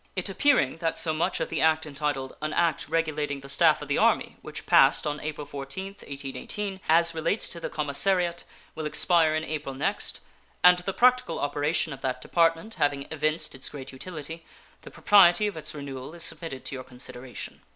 It appearing that so much of the act entitled "An act regulating the staff of the Army", which passed on April 14, 1818, as relates to the commissariat will expire in April next, and the practical operation of that department having evinced its great utility, the propriety of its renewal is submitted to your consideration.